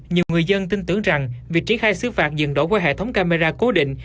nhiều người dân tin tưởng rằng việc triển khai xử phạt dần đổi qua hệ thống camera cố định